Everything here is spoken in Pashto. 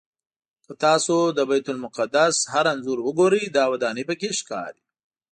که تاسو د بیت المقدس هر انځور وګورئ دا ودانۍ پکې ښکاري.